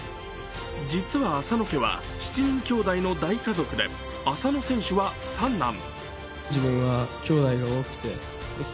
実は浅野家は７人きょうだいの大家族で、浅野選手は３男。